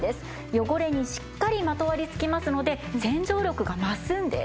汚れにしっかりまとわりつきますので洗浄力が増すんです。